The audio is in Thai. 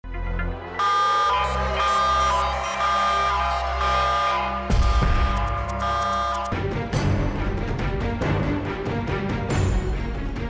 กลับมาให้กลายเวลาเมื่อกี้